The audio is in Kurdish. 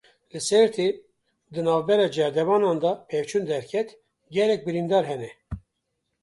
Li Sêrtê di navbera cerdevanan de pevçûn derket, gelek birîndar hene.